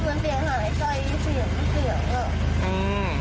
เหมือนเสียงหายใจเสียงเสียง